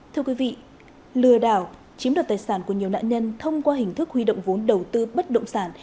thưa quý vị lừa đảo chiếm đoạt tài sản của nhiều nạn nhân thông qua hình thức huy động vốn đầu tư bất động sản